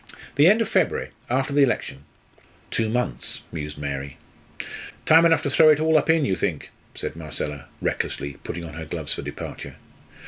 "The end of February after the election." "Two months," mused Mary. "Time enough to throw it all up in, you think?" said Marcella, recklessly, putting on her gloves for departure.